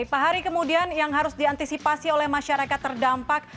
pak hari kemudian yang harus diantisipasi oleh masyarakat terdampak